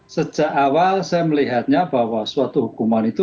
sejak awal saya melihatnya bahwa suatu hukuman itu